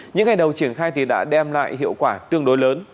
những ngày đầu triển khai thì đã đem lại hiệu quả tương đối lớn